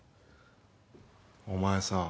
お前さん